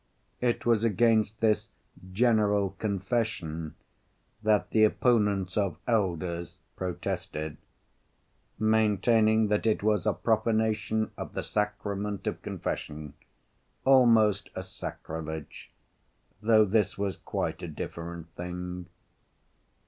It was against this general "confession" that the opponents of "elders" protested, maintaining that it was a profanation of the sacrament of confession, almost a sacrilege, though this was quite a different thing.